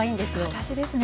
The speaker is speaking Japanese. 形ですね。